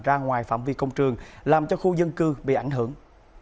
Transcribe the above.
ra ngoài phạm vi công trường làm cho khu dân cư bị ảnh hưởng